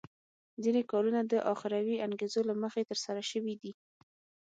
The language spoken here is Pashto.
ځینې کارونه د اخروي انګېزو له مخې ترسره شوي دي.